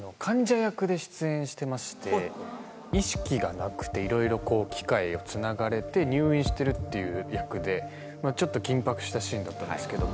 意識がなくていろいろ機械をつながれて入院してるっていう役でちょっと緊迫したシーンだったんですけど。